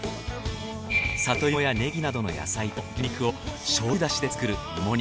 里芋やネギなどの野菜と牛肉を醤油だしで作る芋煮。